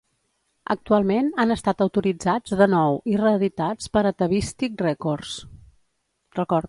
Actualment han estat autoritzats de nou i reeditats per Atavistic Records.